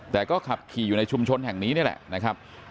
แต่ก็ขับขี่อยู่ในชุมชนแห่งนี้นี่แหละนะครับ